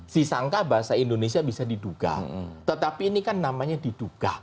si sangka bahasa indonesia bisa diduga tetapi ini kan namanya diduga